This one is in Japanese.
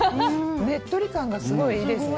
ねっとり感がすごいいいですね。